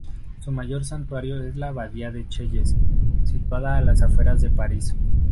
Su mayor santuario es la abadía de Chelles, situada a las afueras de París.